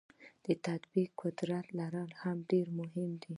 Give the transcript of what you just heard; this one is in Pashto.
د تطبیق قدرت لرل هم ډیر مهم دي.